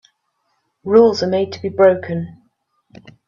Rules are made to be broken.